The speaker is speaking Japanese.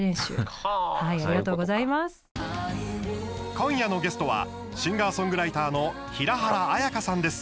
今夜のゲストはシンガーソングライターの平原綾香さんです。